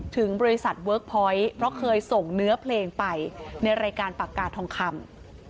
ถึงบริษัทเวิร์คพอยต์เพราะเคยส่งเนื้อเพลงไปในรายการปากกาทองคำ